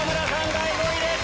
第５位です！